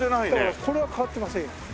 これは変わってませんよ。